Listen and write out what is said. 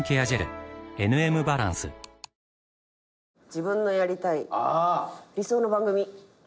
自分のやりたい理想の番組。